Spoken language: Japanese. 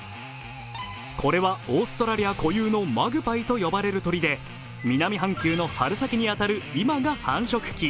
これはオーストラリア固有のマグパイという鳥で南半球の春先に当たる今が繁殖期。